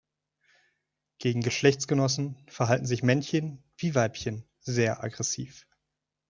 Gegen Geschlechtsgenossen verhalten sich Männchen wie Weibchen sehr aggressiv.